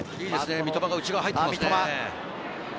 三笘が内側に入っていますね。